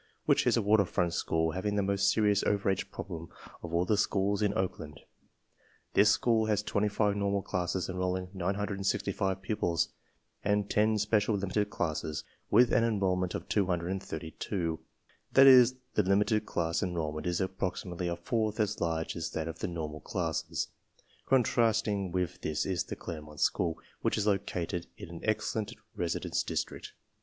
which is a waterfron t school having the most serious over age problem of all the schools in Oakland. This school has 25 nor mal cla sses en rollmgJ)6g.j3>upilg, and 10 special limited classes with an enrollment of 232, That is, the limited class enrollment is approximately a fourth as large as that of the normal classes. "Contrasting with this is the Claremont SchQoL which is located in an excellent residence district.